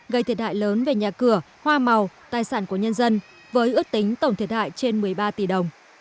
gây thiệt hại lớn về nhà cửa hoa màu tài sản của nhân dân với ước tính tổng thiệt hại trên một mươi ba tỷ đồng